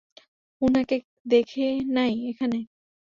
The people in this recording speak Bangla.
উনাকে কে দেখে নাই, এখানে?